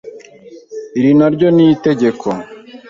Iri naryo ni itegeko